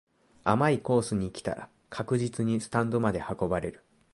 甘いコースに来たら確実にスタンドまで運ばれる